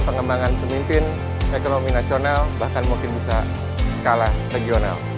dan pengembangan pemimpin ekonomi nasional bahkan mungkin bisa skala regional